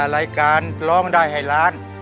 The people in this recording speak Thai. รายการร้องได้ให้ล้าน